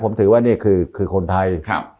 ผมถือว่านี่คือคนไทย